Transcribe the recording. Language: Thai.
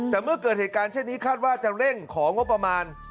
แต่เมื่อเกิดเหตุการณ์เช่นนี้คาดว่าจะเร่งของงบประมาณ